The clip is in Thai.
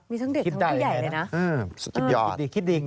มีทั้งเด็กทั้งใหญ่เลยนะสุดยอดคิดดี